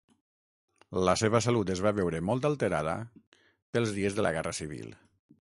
La seva salut es va veure molt alterada pels dies de la Guerra civil.